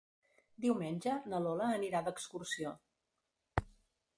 Diumenge na Lola anirà d'excursió.